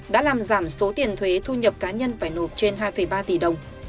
đã làm giảm số tiền thuế thu nhập cá nhân phải nộp trên hai ba tỷ đồng